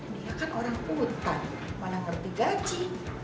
dia kan orang hutan mana ngerti gaji